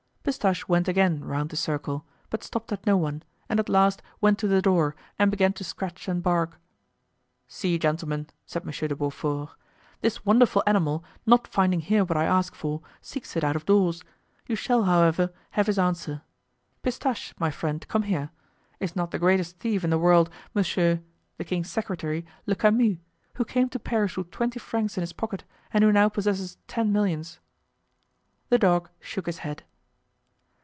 Pistache went again around the circle, but stopped at no one, and at last went to the door and began to scratch and bark. "See, gentlemen," said M. de Beaufort, "this wonderful animal, not finding here what I ask for, seeks it out of doors; you shall, however, have his answer. Pistache, my friend, come here. Is not the greatest thief in the world, Monsieur (the king's secretary) Le Camus, who came to Paris with twenty francs in his pocket and who now possesses ten millions?" The dog shook his head.